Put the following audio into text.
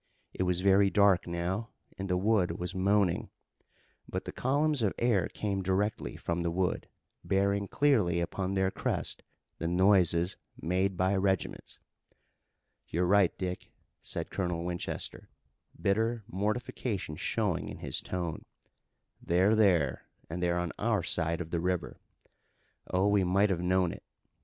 It was very dark now and the wood was moaning, but the columns of air came directly from the wood, bearing clearly upon their crest the noises made by regiments. "You're right, Dick," said Colonel Winchester, bitter mortification showing in his tone. "They're there, and they're on our side of the river. Oh, we might have known it!